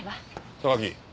榊。